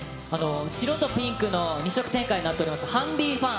白とピンクの２色展開になっております、ハンディーファン。